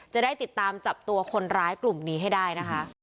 จะได้ติดตามจับตัวคนร้ายกลุ่มนี้ให้ได้นะคะ